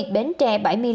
bến trè bảy mươi năm